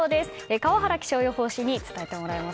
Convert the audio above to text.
川原気象予報士に伝えてもらいます。